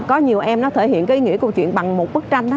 có nhiều em nó thể hiện cái ý nghĩa của câu chuyện bằng một bức tranh đó